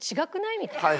みたいな。